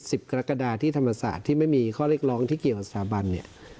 กรกฎาที่ธรรมศาสตร์ที่ไม่มีข้อเรียกร้องที่เกี่ยวกับสถาบันเนี่ย